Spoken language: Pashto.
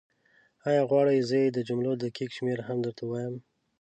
ایا غواړې زه یې د جملو دقیق شمېر هم درته ووایم؟